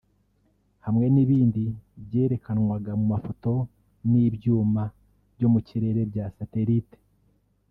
hamwe n’ibindi byerekanwaga mu mafoto n’ibyuma byo mu kirere bya ’satellites’